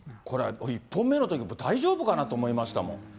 これ、１本目のときも大丈夫かなと思いましたもん。